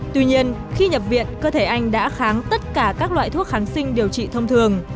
tuy nhiên khi nhập viện cơ thể anh đã kháng tất cả các loại thuốc kháng sinh điều trị thông thường